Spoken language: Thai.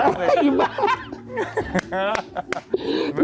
ไอ้บ้าน